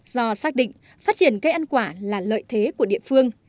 do xác định phát triển cây ăn quả là lợi thế của địa phương